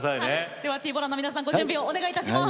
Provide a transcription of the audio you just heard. ではＴ−ＢＯＬＡＮの皆さんご準備をお願いいたします。